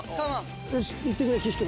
行ってくれ岸子。